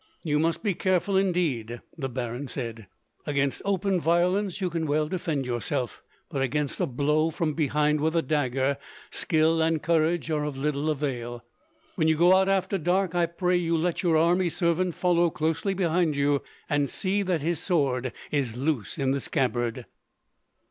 "You must be careful, indeed," the baron said. "Against open violence you can well defend yourself, but against a blow from behind with a dagger, skill and courage are of little avail. When you go out after dark, I pray you let your army servant follow closely behind you, and see that his sword is loose in its scabbard."